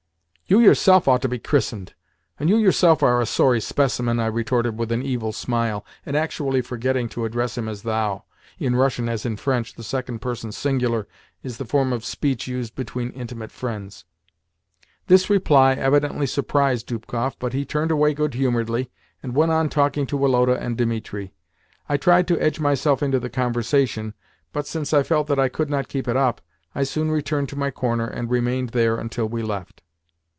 "You yourself ought to be christened, and you yourself are a sorry specimen!" I retorted with an evil smile, and actually forgetting to address him as "thou." [In Russian as in French, the second person singular is the form of speech used between intimate friends.] This reply evidently surprised Dubkoff, but he turned away good humouredly, and went on talking to Woloda and Dimitri. I tried to edge myself into the conversation, but, since I felt that I could not keep it up, I soon returned to my corner, and remained there until we left.